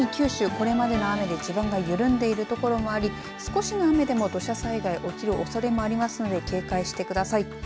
これまでの雨で地盤が緩んでいるところもあり少しの雨でも土砂災害の起きるおそれもありますので警戒してください。